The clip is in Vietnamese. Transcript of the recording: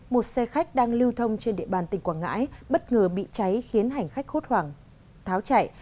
một xe khách đang lưu thông trên địa bàn tỉnh quảng ngãi bất ngờ bị cháy khiến hành khách hốt hoảng tháo chạy